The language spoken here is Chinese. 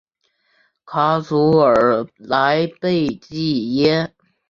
卡祖尔莱贝济耶。